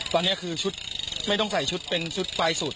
ตอนนี้คือชุดไม่ต้องใส่ชุดเป็นชุดปลายสุด